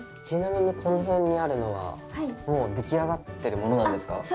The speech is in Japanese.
ちなみにこの辺にあるのはもう出来上がってるものなんですか？